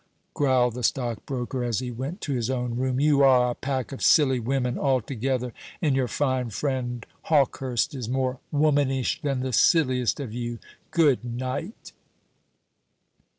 growled the stockbroker, as he went to his own room, "you are a pack of silly women altogether; and your fine friend Hawkehurst is more womanish than the silliest of you. Goodnight."